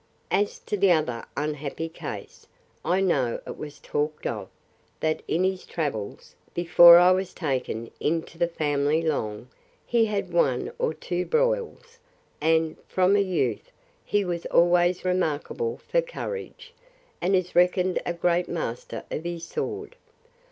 As to the other unhappy case, I know it was talked of, that in his travels, before I was taken into the family long, he had one or two broils; and, from a youth, he was always remarkable for courage, and is reckoned a great master of his sword.